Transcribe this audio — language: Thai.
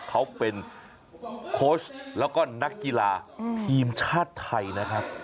เขาเป็นโค้ชแล้วก็นักกีฬาทีมชาติไทยนะครับ